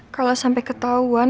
kalau sampai ketahuan